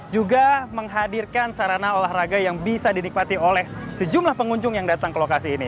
juga menghadirkan sarana olahraga yang bisa dinikmatkan